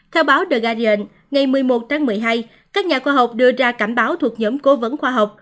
theo báo the garion ngày một mươi một tháng một mươi hai các nhà khoa học đưa ra cảnh báo thuộc nhóm cố vấn khoa học